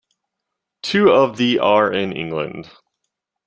Two of the are in England.